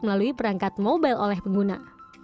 melalui perangkat mobile oleh pengguna